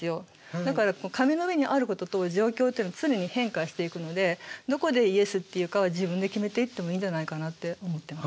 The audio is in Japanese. だから紙の上にあることと状況っていうのは常に変化していくのでどこでイエスって言うかは自分で決めていってもいいんじゃないかなって思ってます。